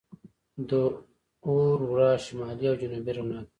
د اورورا شمالي او جنوبي رڼا ده.